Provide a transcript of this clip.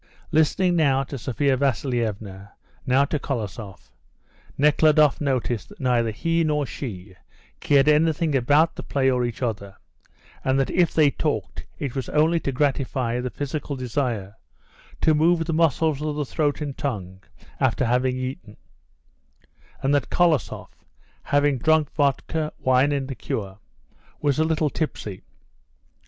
Listening now to Sophia Vasilievna, now to Kolosoff, Nekhludoff noticed that neither he nor she cared anything about the play or each other, and that if they talked it was only to gratify the physical desire to move the muscles of the throat and tongue after having eaten; and that Kolosoff, having drunk vodka, wine and liqueur, was a little tipsy.